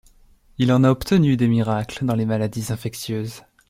Il en a obtenu des miracles dans les maladies infectieuses.